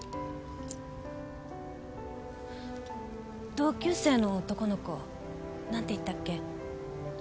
同級生の男の子何て言ったっけ？